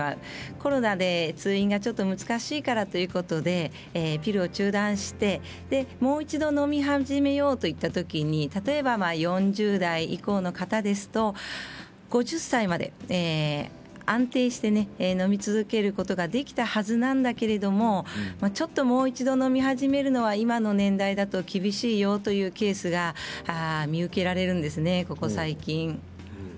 コロナで通院が難しいからということでピルを中断してもう一度のみ始めようというときに例えば４０代以降の方ですと５０歳まで安定してのみ続けることができたはずなんだけれどもう一度のみ始めるのは今の年代だと厳しいよというケースが見受けられるんですね、ここ最近。